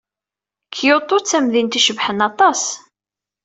Kyoto d tamdint icebḥen aṭas.